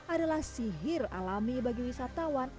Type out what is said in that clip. adalah sihir alami bagi wisatawan